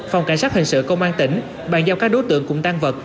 phòng cảnh sát hình sự công an tỉnh bàn giao các đối tượng cùng tan vật